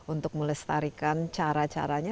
untuk melestarikan cara caranya